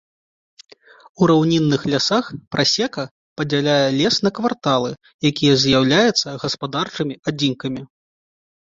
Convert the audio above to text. У раўнінных лясах прасека падзяляе лес на кварталы, якія з'яўляюцца гаспадарчымі адзінкамі.